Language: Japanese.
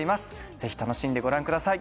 ぜひ楽しんでご覧ください